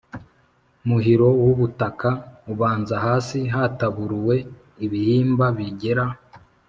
Muhiro w ubutaka ubanza hasi hataburuwe ibihimba bigera